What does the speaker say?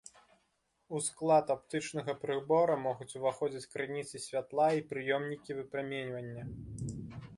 У склад аптычнага прыбора могуць уваходзіць крыніцы святла і прыёмнікі выпраменьвання.